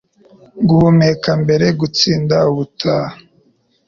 Guhumeka mbere, gutsinda ubutaha.